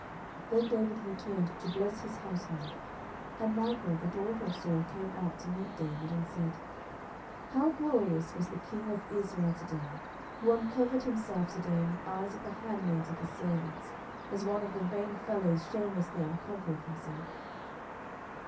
10:006:020 Then David returned to bless his household. And Michal the daughter of Saul came out to meet David, and said, How glorious was the king of Israel to day, who uncovered himself to day in the eyes of the handmaids of his servants, as one of the vain fellows shamelessly uncovereth himself!